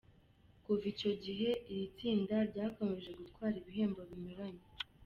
Kuva icyo gihe iri tsinda ryakomeje gutwara ibihembo binyuranye.